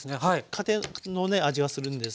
家庭のね味がするんですが。